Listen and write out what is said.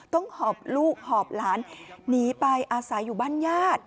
หอบลูกหอบหลานหนีไปอาศัยอยู่บ้านญาติ